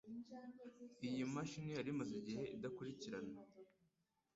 Iyi mashini yari imaze igihe idakurikirana.